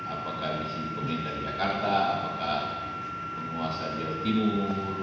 apakah ini diperintah jakarta apakah penguasa jawa timur